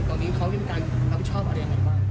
ตอนนี้เขาพิมพ์การความผิดชอบอะไรอย่างไรบ้าง